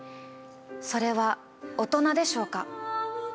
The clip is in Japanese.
それは大人でしょうか？